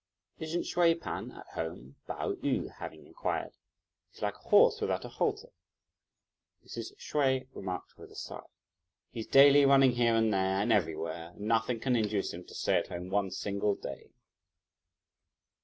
"Isn't Hsüeh P'an at home?" Pao yü having inquired: "He's like a horse without a halter," Mrs. Hsüeh remarked with a sigh; "he's daily running here and there and everywhere, and nothing can induce him to stay at home one single day."